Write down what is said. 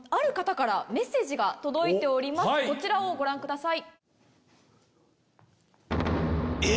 こちらをご覧ください。